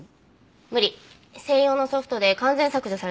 専用のソフトで完全削除されてた。